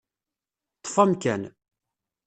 Ṭṭef amkan.